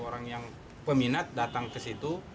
orang yang peminat datang ke situ